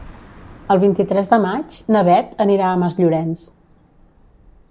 El vint-i-tres de maig na Beth anirà a Masllorenç.